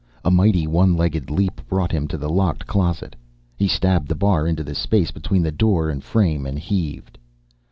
A mighty one legged leap brought him to the locked closet; he stabbed the bar into the space between the door and frame and heaved.